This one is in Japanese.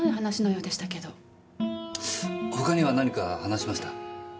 他には何か話しました？